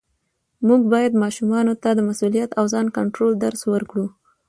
موږ باید ماشومانو ته د مسؤلیت او ځان کنټرول درس ورکړو